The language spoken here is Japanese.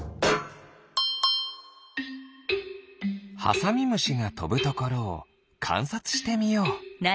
ハサミムシがとぶところをかんさつしてみよう。